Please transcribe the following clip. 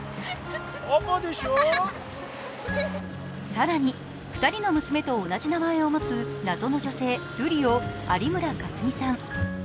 更に２人の娘と同じ名前を持つ謎の女性・瑠璃を有村架純さん。